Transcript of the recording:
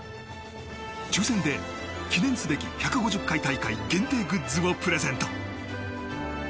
抽選で記念すべき１５０回大会限定グッズをプレゼント。